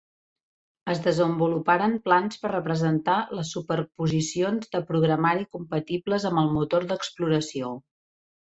Es desenvoluparen plans per representar les superposicions de programari compatibles amb el motor d'exploració.